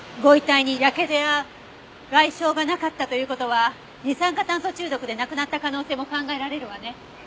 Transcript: ご遺体にやけどや外傷がなかったという事は二酸化炭素中毒で亡くなった可能性も考えられるわね。